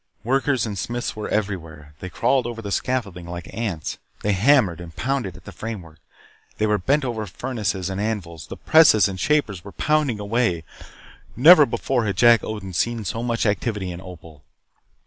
Workers and smiths were everywhere. They crawled over the scaffolding like ants. They hammered and pounded at the framework. They were bent over the furnaces and the anvils. The presses and the shapers were pounding away. Never before had Jack Odin seen so much activity in Opal.